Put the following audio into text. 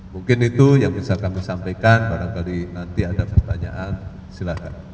mungkin itu yang bisa kami sampaikan barangkali nanti ada pertanyaan silahkan